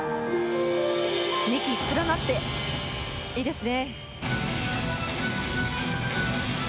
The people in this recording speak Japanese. ２騎、連なっていいですね。